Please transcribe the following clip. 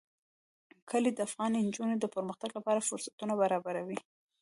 کلي د افغان نجونو د پرمختګ لپاره فرصتونه برابروي.